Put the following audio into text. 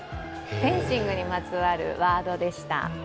フェンシングにまつわるワードでした。